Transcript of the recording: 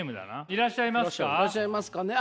いらっしゃいますかね？